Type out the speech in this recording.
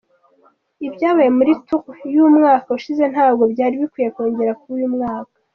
Ibyabaye muri Tour y’umwaka ushize ntabwo byari bikwiye kongera kuba uyu mwaka.